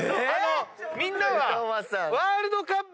みんなは。